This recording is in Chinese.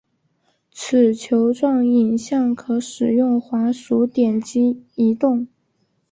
此球状影像可使用滑鼠点击移动。